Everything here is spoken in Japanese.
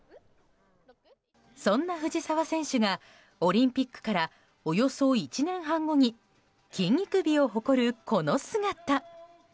そんな藤澤選手がオリンピックからおよそ１年半後に筋肉美を誇るこの姿。